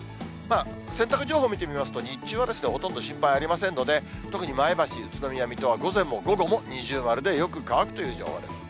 洗濯情報見てみますと、日中はほとんど心配ありませんので、特に前橋、宇都宮、水戸は午前も午後も二重丸で、よく乾くという情報です。